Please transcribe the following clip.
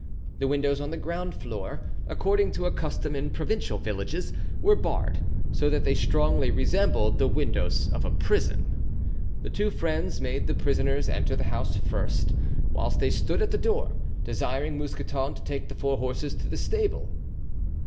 The windows on the ground floor, according to a custom in provincial villages, were barred, so that they strongly resembled the windows of a prison. The two friends made the prisoners enter the house first, whilst they stood at the door, desiring Mousqueton to take the four horses to the stable.